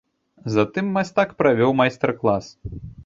Затым мастак правёў майстар-клас.